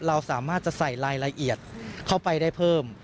เราสามารถจะใส่รายละเอียดเข้าไปได้เพิ่ม